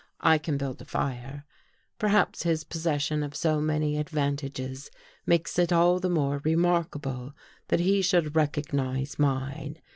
I can build a fire. Perhaps his possession of so many ad vantages makes it all the more remarkable that he 'should recognize mine.